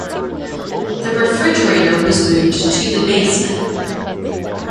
The refrigerator was moved to the basement.